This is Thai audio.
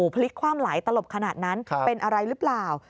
พลิกความหลายตลบขนาดนั้นเป็นอะไรหรือเปล่า